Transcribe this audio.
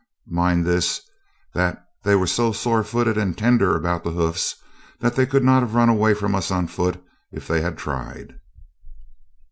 Mind this, that they were so footsore and tender about the hoofs that they could not have run away from us on foot if they had tried.